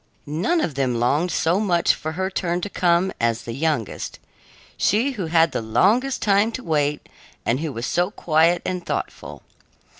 None of them longed so much for her turn to come as the youngest she who had the longest time to wait and who was so quiet and thoughtful.